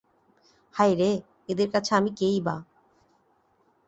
হায় রে, এদের কাছে আমি কেই বা!